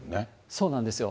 そうなんですよ。